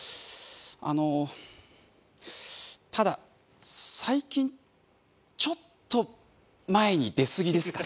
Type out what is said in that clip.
あのただ最近ちょっと前に出すぎですかね。